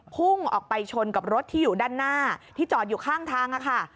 พุ่งออกไปชนกับรถที่อยู่ด้านหน้าที่จอดอยู่ข้างทางค่ะ